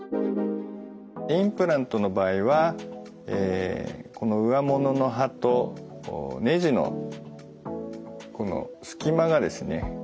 インプラントの場合はこのうわものの歯とねじのこのすき間がですね